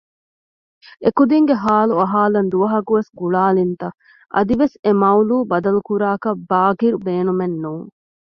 އެކުދިންގެ ޙާލު އަހާލަން ދުވަހަކުވެސް ގުޅާލިންތަ؟ އަދިވެސް އެ މަޥްޟޫޢު ބަދަލުކުރާކަށް ބާޤިރު ބޭނުމެއް ނޫން